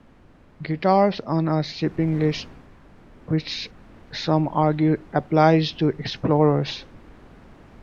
Guitars on a shipping list, which some argue applies to Explorers.